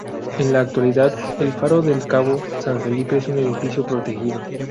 En la actualidad, el faro del Cabo San Felipe es un edificio protegido.